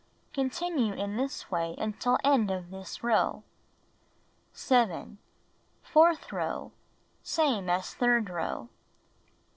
Continue in this way until end of this row. 7. Fourth row: Same as third row.